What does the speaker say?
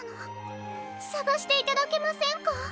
さがしていただけませんか？